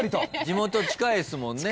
地元近いですもんね。